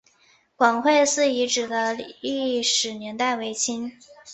广惠寺遗址的历史年代为清。